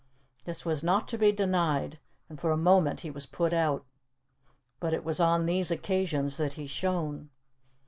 This was not to be denied, and for a moment he was put out. But it was on these occasions that he shone.